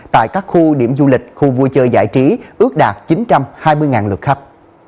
tại các khu điểm du lịch khu vui chơi giải trí ước đạt chín trăm hai mươi lượt khách